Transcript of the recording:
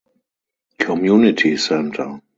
Community Center.